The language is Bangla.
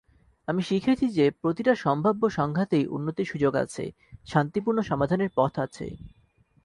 আমি শিখেছি যে প্রতিটা সম্ভাব্য সংঘাতেই উন্নতির সুযোগ আছে, শান্তিপূর্ণ সমাধানের পথ আছে।